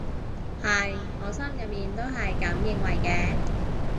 係，我心入面都係噉認為嘅